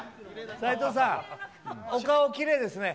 斉藤さん、お顔きれいですね。